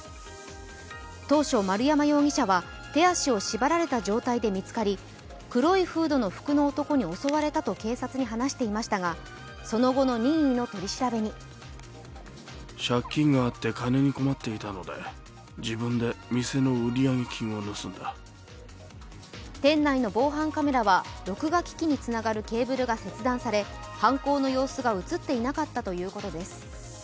当初、丸山容疑者は手足を縛られた状態で見つかり、黒いフードの服の男に襲われたと警察に話していましたがその後の任意の取り調べに店内の防犯カメラは録画機器につながるケーブルが切断され、犯行の様子が映っていなかったということです。